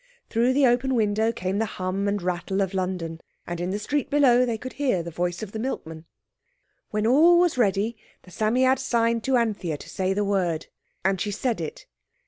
Through the open window came the hum and rattle of London, and in the street below they could hear the voice of the milkman. When all was ready, the Psammead signed to Anthea to say the word. And she said it.